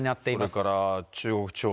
それから中国地方。